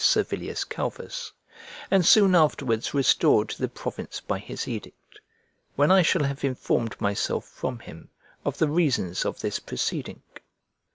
Servilius Calvus, and soon afterwards restored to the province by his edict, when I shall have informed myself from him of the reasons of this proceeding.